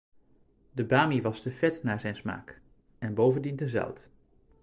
De bami was te vet naar zijn smaak, en bovendien te zout.